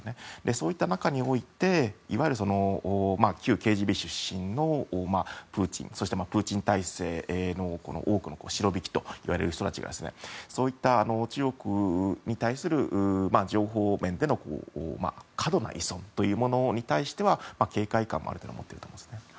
そういった中においていわゆる旧ＫＧＢ出身のプーチンそしてプーチン体制の多くのシロヴィキといわれる人たちがそういった中国に対する情報面での過度な依存に対しては警戒感は持っていると思います。